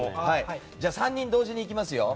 じゃあ、３人同時にいきますよ。